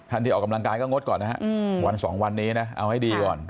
ที่ออกกำลังกายก็งดก่อนนะฮะวันสองวันนี้นะเอาให้ดีก่อน